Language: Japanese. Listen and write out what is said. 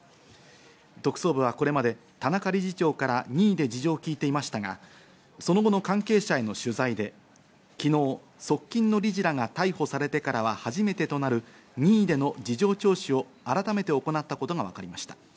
特捜部はこれまで田中理事長から任意で事情を聞いていましたが、その後の関係者への取材で昨日、側近の理事らが逮捕されてからは初めてとなる任意での事情聴取を改めて行ったことがわかりました。